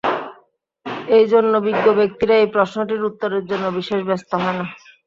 এই জন্য বিজ্ঞ ব্যক্তিরা এই প্রশ্নটির উত্তরের জন্য বিশেষ ব্যস্ত হয় না।